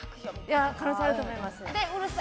可能性あると思います。